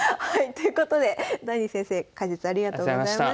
ということでダニー先生解説ありがとうございました。